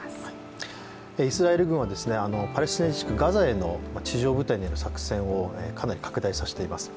イスラエル軍はパレスチナ自治区ガザへの地上部隊による作戦をかなり拡大させています。